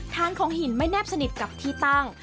ฐานของหินไม่แนบสนิทกับที่ตั้ง